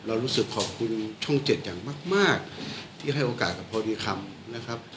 รู้สึกขอบคุณช่องเจ็ดอย่างมากที่ให้โอกาสกับพอดีคำนะครับ